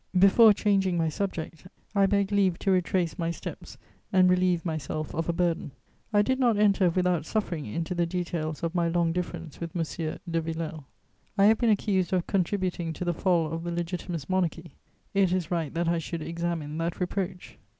Before changing my subject, I beg leave to retrace my steps and relieve myself of a burden. I did not enter without suffering into the details of my long difference with M. de Villèle. I have been accused of contributing to the fall of the Legitimist Monarchy; it is right that I should examine that reproach.